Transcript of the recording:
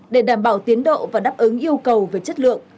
để đảm bảo tiến độ và đáp ứng yêu cầu về chất lượng